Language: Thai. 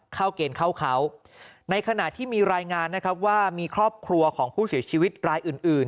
เข้าเกณฑ์เข้าเขาในขณะที่มีรายงานนะครับว่ามีครอบครัวของผู้เสียชีวิตรายอื่นอื่น